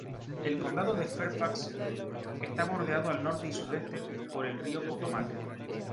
El condado de Fairfax está bordeado al norte y sudeste por el río Potomac.